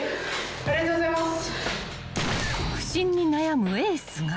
ありがとうございます。